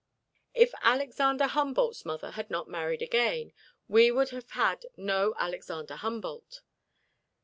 If Alexander Humboldt's mother had not married again, we would have had no Alexander Humboldt.